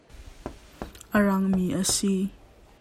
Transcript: A rang mi a si.